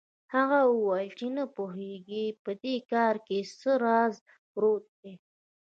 هغه وویل چې نه پوهېږي په دې کار کې څه راز پروت دی.